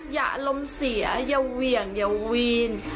อย่าล้มเสียอย่าเหวี่ยงอย่าวีน